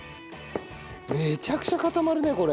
めちゃくちゃ固まるねこれ。